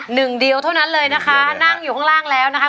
หนึ่งเดียวเท่านั้นเลยนะคะนั่งอยู่ข้างล่างแล้วนะคะ